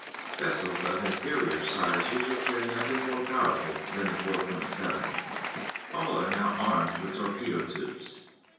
Vessels of inferior size usually carry nothing more powerful than the 4.7. All are now armed with torpedo tubes.